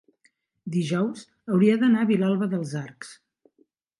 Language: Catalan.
dijous hauria d'anar a Vilalba dels Arcs.